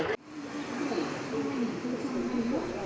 tỉnh hà nội hà nội hà nội